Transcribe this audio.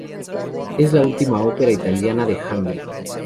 Es la última ópera italiana de Händel.